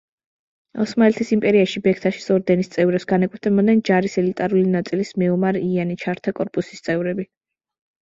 ოსმალეთის იმპერიაში ბექთაშის ორდენის წევრებს განეკუთვნებოდნენ ჯარის ელიტარული ნაწილის მეომარ იანიჩართა კორპუსის წევრები.